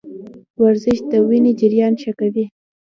ورزش د وینې جریان ښه کوي.